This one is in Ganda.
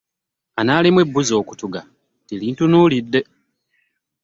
Anaalemwa ebbuzi okutuga nti lintunuulidde.